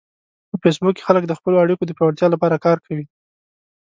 په فېسبوک کې خلک د خپلو اړیکو د پیاوړتیا لپاره کار کوي